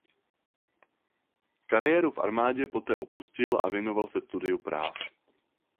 Kariéru v armádě však poté opustil a věnoval se studiu práv.